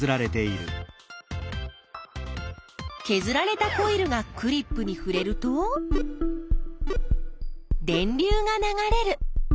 けずられたコイルがクリップにふれると電流が流れる。